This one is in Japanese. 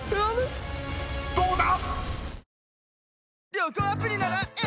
［どうだ⁉］